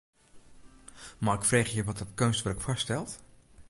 Mei ik freegje wat dat keunstwurk foarstelt?